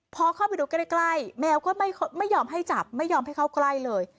พอเข้าไปดูใกล้แมวก็ไม่ยอมให้จับไม่ยอมให้เข้าใกล้เลย